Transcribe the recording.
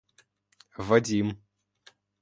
Вадим